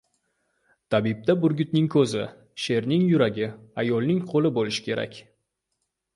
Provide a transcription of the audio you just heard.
• Tabibda burgutning ko‘zi, sherning yuragi, ayolning qo‘li bo‘lishi kerak.